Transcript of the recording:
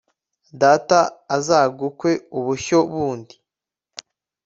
data azagukwe ubushyo bundi